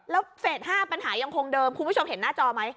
แล้วเฟส๕ปัญหายังคงเดิมคุณผู้ชมเห็นหน้าจอไหม